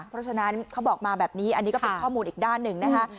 เพราะฉะนั้นเขาบอกมาแบบนี้อันนี้ก็เป็นข้อมูลอีกด้านหนึ่งนะคะ